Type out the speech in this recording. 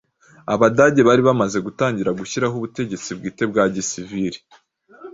Abadage bari bamaze gutangira gushyiraho ubutegetsi bwite bwa gisiviri